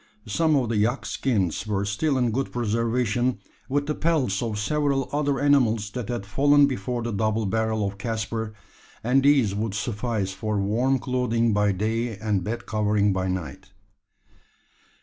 Some of the yak skins were still in good preservation with the pelts of several other animals that had fallen before the double barrel of Caspar and these would suffice for warm clothing by day and bed covering by night.